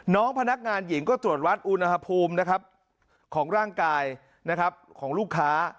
น้องพนักงานหญิงก็ตรวจวัดอุณหภูมินะครับของร่างกายของลูกค้า